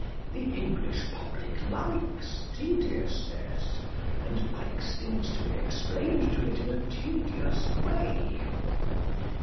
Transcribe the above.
The English public likes tediousness, and likes things to be explained to it in a tedious way.